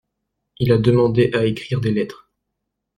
Il a demandé à écrire des lettres.